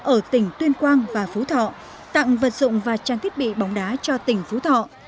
ở tỉnh tuyên quang và phú thọ tặng vật dụng và trang thiết bị bóng đá cho tỉnh phú thọ